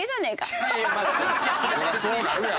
そりゃそうなるやろ。